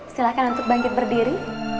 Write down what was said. silahkan untuk bangkit berdiri